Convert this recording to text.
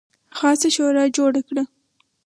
خاصه شورا جوړه کړه.